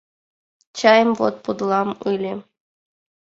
Чайым вот подылам ыле...